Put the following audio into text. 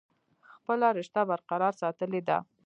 خپله رشته برقرار ساتلي ده ۔